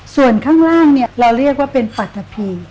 ส่วนข้างล่างเราเรียกว่าเป็นปัทพี